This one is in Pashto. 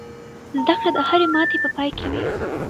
زده کړه د هرې ماتې په پای کې وي.